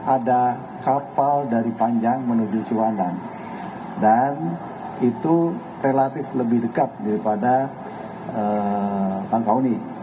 ada kapal dari panjang menuju ciwandan dan itu relatif lebih dekat daripada tangkauni